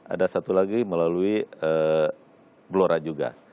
ada satu lagi melalui blora juga